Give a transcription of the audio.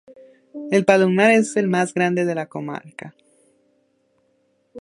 El palomar es el más grande de la Comarca.